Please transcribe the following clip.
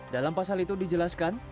dalam pasal itu dijelaskan